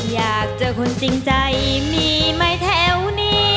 อยากเจอคนจริงใจมีไหมแถวนี้